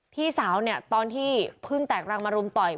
พี่สาวเนี่ยตอนที่เพิ่งแตกรังมารุมต่อย